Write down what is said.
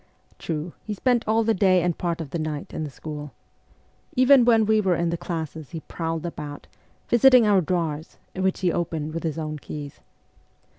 True, he spent all the day and part of the night in the school. Even when we were in the classes he prowled about, visiting our drawers, which he opened with his own keys.